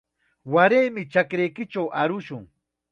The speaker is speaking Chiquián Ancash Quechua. Waraymi chakraykichaw arushun.